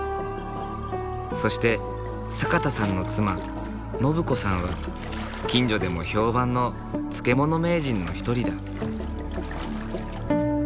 そして坂田さんの妻のぶ子さんは近所でも評判の漬物名人の一人だ。